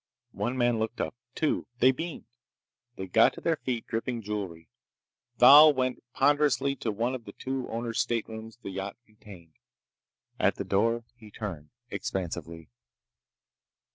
One man looked up. Two. They beamed. They got to their feet, dripping jewelry. Thal went ponderously to one of the two owners' staterooms the yacht contained. At the door he turned, expansively.